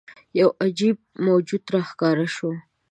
یوه عجيب موجود راښکاره شو.